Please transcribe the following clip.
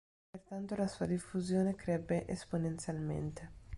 Pertanto la sua diffusione crebbe esponenzialmente.